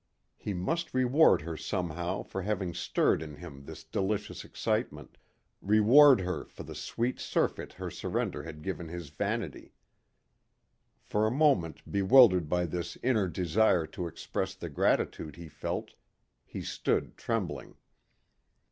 He must reward her somehow for having stirred in him this delicious excitement, reward her for the sweet surfeit her surrender had given his vanity. For a moment bewildered by this inner desire to express the gratitude he felt, he stood trembling.